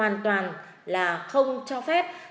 các nhà trường hoàn toàn là không cho phép